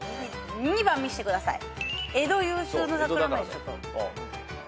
２番見してください。